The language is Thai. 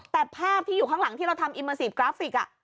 แต่ภาพที่อยู่ข้างหลังที่เราทำอิเมอร์ซีฟกราฟิก